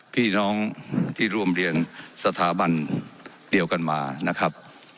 พี่น้องที่ร่วมเรียนสถาบันเดียวกันมานะครับ